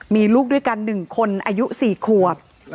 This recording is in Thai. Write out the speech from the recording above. มีลูกด้วยกันหนึ่งคนอายุสี่ขวบ